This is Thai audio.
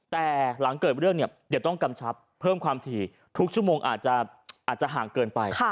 แต่หลังเกิดเรื่องเนี่ยเดี๋ยวต้องกำชับเพิ่มความถี่ทุกชั่วโมงอาจจะห่างเกินไป